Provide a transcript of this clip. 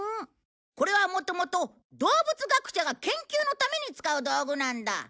これはもともと動物学者が研究のために使う道具なんだ。